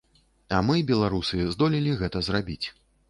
А мы, беларусы здолелі гэта зрабіць.